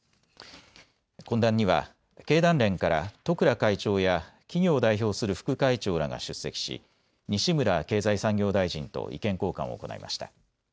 懇談には経団連から十倉会長や企業を代表する副会長らが出席し西村経済産業大臣と意見交換を行いました。